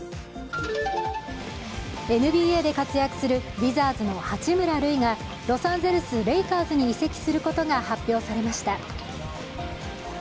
ＮＢＡで活躍するウィザーズの八村塁がロサンゼルス・レイカーズに移籍することが発表されました。